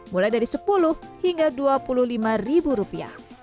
mulai dari sepuluh hingga dua puluh lima ribu rupiah